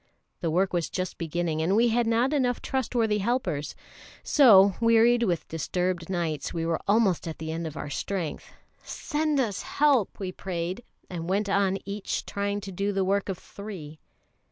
The work was just beginning, and we had not enough trustworthy helpers; so, wearied with disturbed nights, we were almost at the end of our strength. "Send us help!" we prayed, and went on each trying to do the work of three.